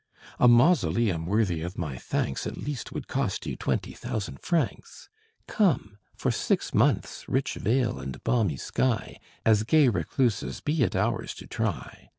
A mausoleum worthy of my thanks At least would cost you twenty thousand francs: Come, for six months, rich vale and balmy sky, As gay recluses, be it ours to try.